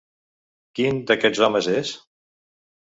Quin d'aquests homes és?